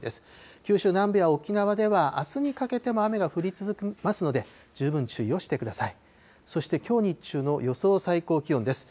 九州南部や沖縄では、あすにかけても雨が降り続きますので、十分注意をしてください。